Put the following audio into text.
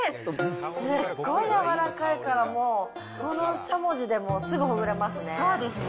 すっごい柔らかいから、もう、このしゃもじでもすぐほぐれますねそうですね。